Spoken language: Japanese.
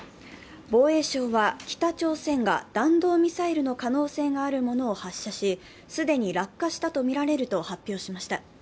防衛省は北朝鮮が弾道ミサイルの可能性があるものを発射し、既に落下したとみられると発表しました。